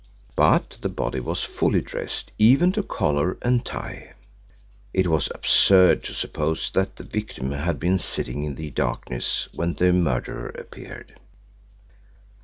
But the body was fully dressed, even to collar and tie. It was absurd to suppose that the victim had been sitting in the darkness when the murderer appeared.